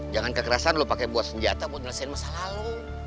jangan kekerasan lu pake buat senjata buat ngelesain masalah lu